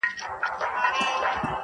یادونه دي پر سترګو مېلمانه سي رخصتیږي-